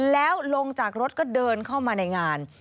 แล้วลงจากรถก็เดินเข้ามาในงาน